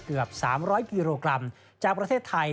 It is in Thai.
เกือบ๓๐๐กิโลกรัมจากประเทศไทย